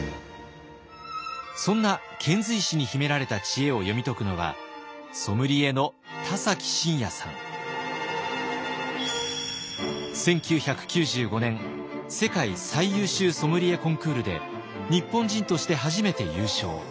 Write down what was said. そんな遣隋使に秘められた知恵を読み解くのは１９９５年世界最優秀ソムリエコンクールで日本人として初めて優勝。